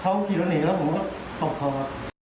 เขาผิดแล้วหนีแล้วผมก็ตอบเขาครับ